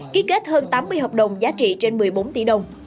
ký kết hơn tám mươi hợp đồng giá trị trên một mươi bốn tỷ đồng